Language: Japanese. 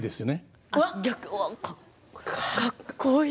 かっこいい。